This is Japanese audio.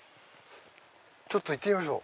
ちょっと行ってみましょう。